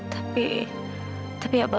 tapi tapi apa benar